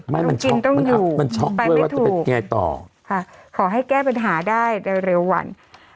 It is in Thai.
มันช็อคด้วยว่าจะเป็นไงต่อขอให้แก้ปัญหาได้เร็ววัน